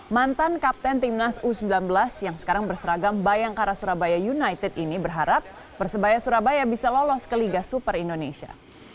mantan kapten timnas u sembilan belas yang sekarang berseragam bayangkara surabaya united ini berharap persebaya surabaya bisa lolos ke liga super indonesia